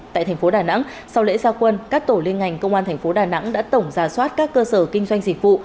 tại thành phố đà nẵng sau lễ gia quân các tổ liên ngành công an thành phố đà nẵng đã tổng ra soát các cơ sở kinh doanh dịch vụ